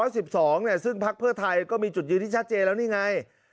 ซึ่งพักเพื่อไทยก็มีจุดยืนที่ชัดเจนแล้วนี่ไง